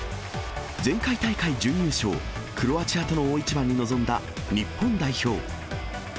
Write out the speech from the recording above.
前回大会準優勝、クロアチアとの大一番に臨んだ日本代表。